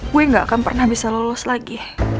gue gak akan pernah bisa lolos lagi